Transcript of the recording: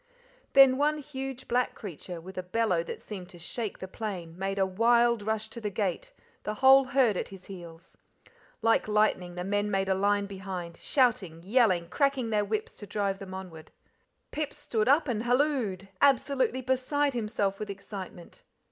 Then one huge black creature, with a bellow that seemed to shake the plain, made a wild rush to the gate, the whole herd at his heels. Like lightning, the men made a line behind, shouting, yelling, cracking their whips to drive them onward. Pip stood up and halloed, absolutely beside himself with excitement.